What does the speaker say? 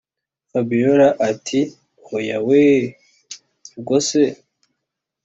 fabiora ati”hoyaaa weeee ubwo se